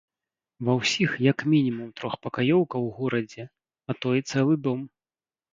Ва ўсіх як мінімум трохпакаёўка ў горадзе, а то і цэлы дом!